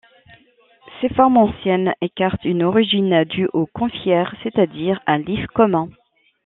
Ces formes anciennes écartent une origine due au conifère, c'est-à-dire à l'if commun.